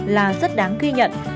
là rất đáng ghi nhận